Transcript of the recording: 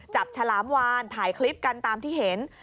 ฉลามวานถ่ายคลิปกันตามที่เห็น